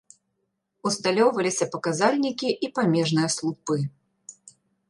Усталёўваліся паказальнікі і памежныя слупы.